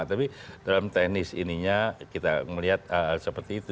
tapi dalam teknis ininya kita melihat hal seperti itu